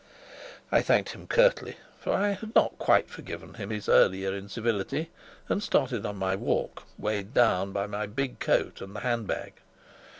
I thanked him curtly (for I had not quite forgiven him his earlier incivility), and started on my walk, weighed down by my big coat and the handbag.